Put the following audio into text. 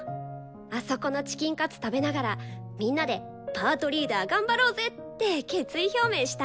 あそこのチキンカツ食べながらみんなで「パートリーダー頑張ろうぜ！」って決意表明したんだよね！